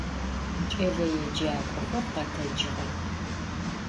Ç'eleêcak'oxer khetecığex.